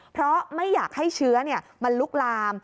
เพราะไม่อยากให้เชื้อมันลุกลาม